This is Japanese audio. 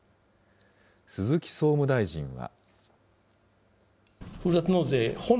鈴木総務大臣は。